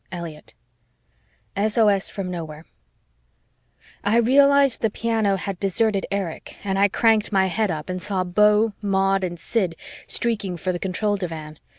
Eliot SOS FROM NOWHERE I realized the piano had deserted Erich and I cranked my head up and saw Beau, Maud and Sid streaking for the control divan.